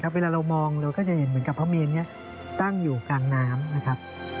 เวลาเรามองเราก็จะเห็นเหมือนกับพระเมนนี้ตั้งอยู่กลางน้ำนะครับ